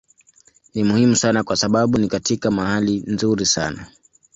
Ni muhimu sana kwa sababu ni katika mahali nzuri sana.